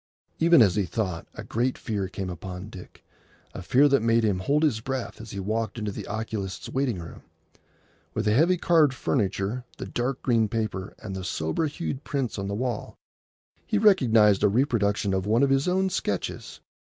Even as he thought, a great fear came upon Dick, a fear that made him hold his breath as he walked into the oculist's waiting room, with the heavy carved furniture, the dark green paper, and the sober hued prints on the wall. He recognised a reproduction of one of his own sketches.